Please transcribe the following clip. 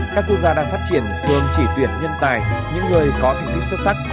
các quốc gia đang phát triển thường chỉ tuyển nhân tài những người có thành tích xuất sắc